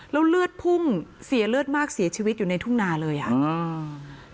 แล้วเลือดพุ่งเสียเลือดมากเสียชีวิตอยู่ในทุ่งนาเลยอ่ะอืม